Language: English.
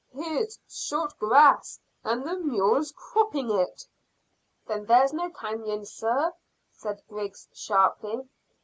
"Here's short grass, and the mules cropping it." "Then there's no canon, sir," said Griggs sharply.